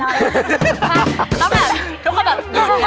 ต้องแบบทุกคนแบบยุ่นอย่างนี้